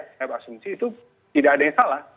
setiap asumsi itu tidak ada yang salah